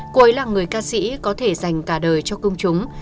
cô ấy là người ca sĩ có thể dành cả đời cho công chúng